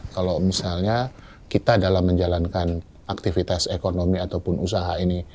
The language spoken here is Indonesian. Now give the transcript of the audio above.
kalau misalnya kita dalam menjalankan aktivitas ekonomi ataupun usaha ini